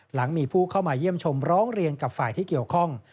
หลังมีผู้เข้ามาเยี่ยมชมร้องเรียนกับฝ่ายที่เกี่ยวข้อง